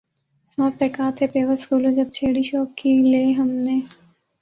سو پیکاں تھے پیوست گلو جب چھیڑی شوق کی لے ہم نے